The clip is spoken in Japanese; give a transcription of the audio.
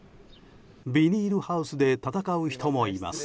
ビニールハウスで闘う人もいます。